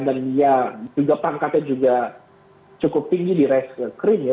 dan ya pangkatnya juga cukup tinggi di reks krim ya